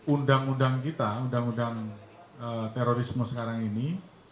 undang undang kita undang undang terorisme sekarang ini